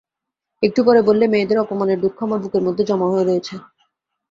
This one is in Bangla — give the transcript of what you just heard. একটু পরে বললে, মেয়েদের অপমানের দুঃখ আমার বুকের মধ্যে জমা হয়ে রয়েছে।